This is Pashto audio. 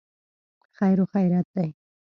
خیر خیریت دی.